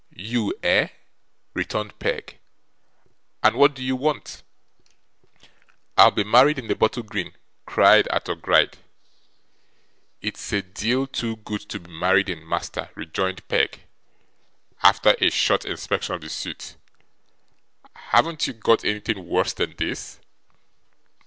'You, eh?' returned Peg. 'And what do YOU want?' 'I'll be married in the bottle green,' cried Arthur Gride. 'It's a deal too good to be married in, master,' rejoined Peg, after a short inspection of the suit. 'Haven't you got anything worse than this?